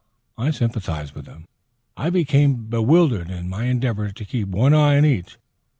I sympathized with them. I became bewildered in my endeavors to keep one eye on each.